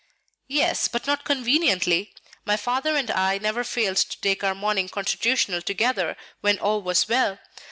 "Yes, but not conveniently. My father and I never failed to take our morning constitutional together when all was well.